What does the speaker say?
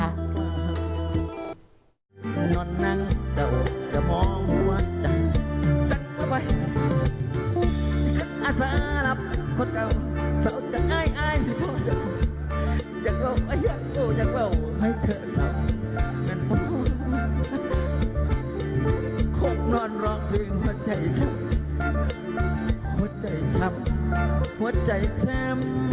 หัวใจช้ำหัวใจช้ำ